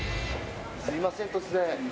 すいません突然。